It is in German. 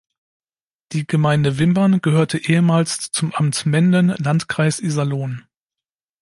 Die Gemeinde Wimbern gehörte ehemals zum Amt Menden, Landkreis Iserlohn.